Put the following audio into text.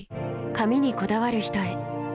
髪にこだわる人へ。